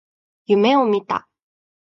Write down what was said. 夢を見た。